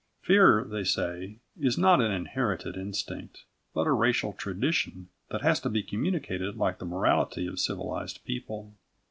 Fear, they say, is not an inherited instinct, but a racial tradition that has to be communicated like the morality of civilised people.